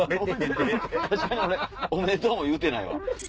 確かに俺おめでとうも言うてないわ。